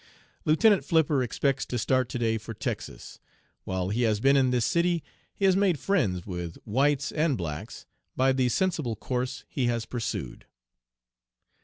"Lieutenant Flipper expects to start to day for Texas. While he has been in this city he has made friends with whites and blacks by he sensible course he has pursued."